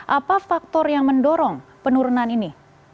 apa faktor yang mendorong penurunan ini